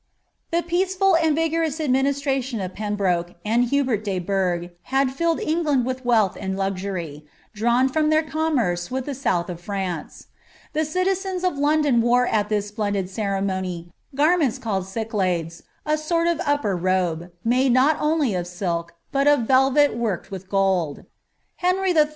The peaceful and vigorous administration of Pembroke and Hubert de Burgh aad filled England with wealth and luxury, drawn from their commerce with the south of France. The citizens of London wore at this splendid ceremony garments called cyclades, a sort of upper robe, made not only of silk, but of velvet worked with gold. Henry III.